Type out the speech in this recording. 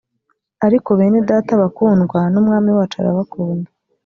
ariko bene data bakundwa n’umwami wacu arabakunda